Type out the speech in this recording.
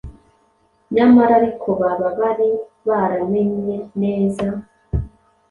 Nyamara ariko baba bari baramenye neza